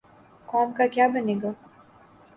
قوم کا کیا بنے گا؟